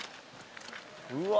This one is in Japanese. うわ